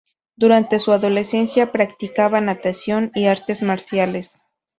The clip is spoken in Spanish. Durante su adolescencia practicaba natación y artes marciales.